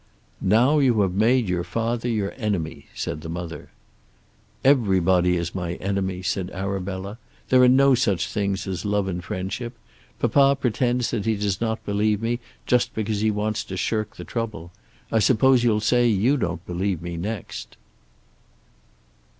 "Now you have made your father your enemy," said the mother. "Everybody is my enemy," said Arabella. "There are no such things as love and friendship. Papa pretends that he does not believe me, just because he wants to shirk the trouble. I suppose you'll say you don't believe me next."